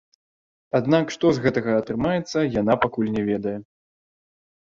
Аднак што з гэтага атрымаецца, яна пакуль не ведае.